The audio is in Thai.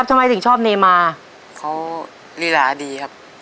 เพราะวิหารีอาอดีครับ